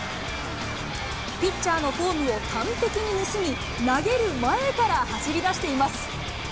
ピッチャーのフォームを完璧に盗み、投げる前から走りだしています。